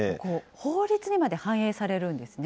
法律にまで反映されるんですね。